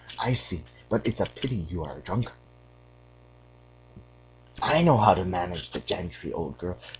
I see! But it's a pity you are a drunkard....' I know how to manage the gentry, old girl.